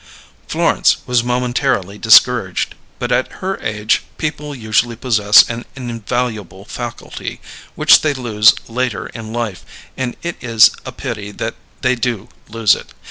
Florence was momentarily discouraged; but at her age people usually possess an invaluable faculty, which they lose later in life; and it is a pity that they do lose it.